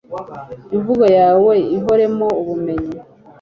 imvugo yawe ihoremo ubumenyi